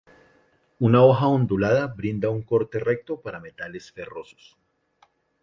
Una hoja ondulada, brinda un corte recto, para metales ferrosos.